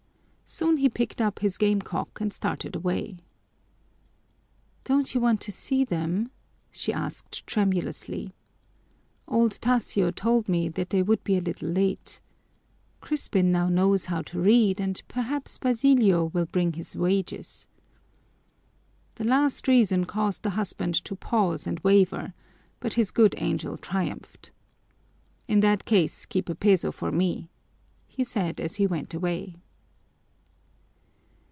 Soon he picked up his game cock and started away. "Don't you want to see them?" she asked tremulously. "Old Tasio told me that they would be a little late. Crispin now knows how to read and perhaps Basilio will bring his wages." This last reason caused the husband to pause and waver, but his good angel triumphed. "In that case keep a peso for me," he said as he went away.